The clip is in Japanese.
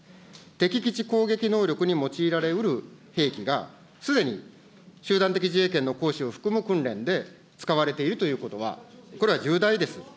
敵基地攻撃能力に用いられうる兵器が、すでに集団的自衛権の行使を含む訓練で使われているということは、これは重大です。